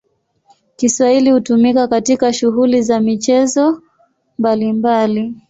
Kiswahili hutumika katika shughuli za michezo mbalimbali.